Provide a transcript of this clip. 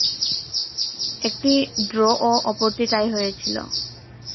একটি ড্র ও অপরটি টাই হয়েছিল।